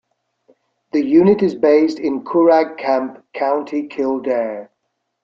The unit is based in the Curragh Camp, County Kildare.